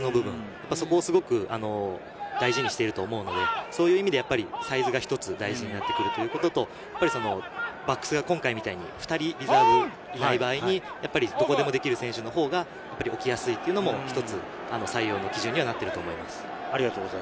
一つ重きを置いている部分は空中戦とディフェンスの部分、そこをすごく大事にしていると思うので、そういう意味でサイズが一つ大事になってくるということ、バックスが今回みたいに２人リザーブがいない場合に、どこでもできる選手のほうが起きやすいというのも一つ採用の基準にはなっていると思います。